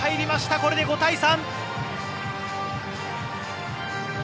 これで５対３。